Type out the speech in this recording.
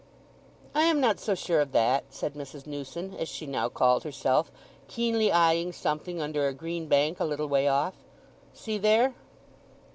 "I am not so sure of that," said Mrs. Newson, as she now called herself, keenly eyeing something under a green bank a little way off. "See there."